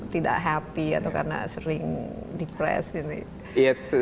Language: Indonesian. tidak happy atau karena sering depressed